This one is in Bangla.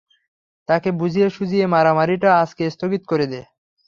তাকে বুঝিয়ে সুজিয়ে মারামারিটা আজকে স্থগিত করে দে।